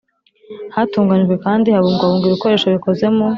Hatunganijwe kandi habungwabungwa ibikoresho bikoze mu